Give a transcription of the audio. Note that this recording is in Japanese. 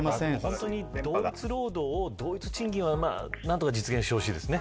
本当に同一労働同一賃金を何とか実現してほしいですね。